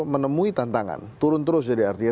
menemui tantangan turun terus jadi artinya